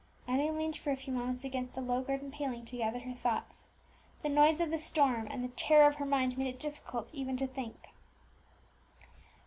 Emmie leaned for a few moments against the low garden paling to gather her thoughts; the noise of the storm and the terror of her mind made it difficult even to think.